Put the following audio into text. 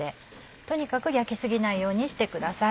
とにかく焼き過ぎないようにしてください。